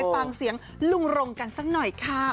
ฟังเสียงลุงรงกันสักหน่อยค่ะ